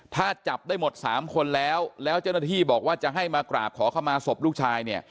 ถ้าจับได้หมดสามคนแล้วแล้วเจ้าหน้าที่บอกว่าจะให้มากราบขอเข้ามาศพลูกชายเนี่ย